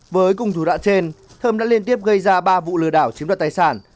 với cùng thủ đoạn trên thơm đã liên tiếp gây ra ba vụ lừa đảo chiếm đoạt tài sản